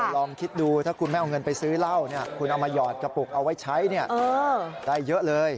ลองคิดดูถ้าคุณไม่เอาเงินไปซื้อเหล้าคุณเอามาหยอดกระปุกเอาไว้ใช้ได้เยอะเลย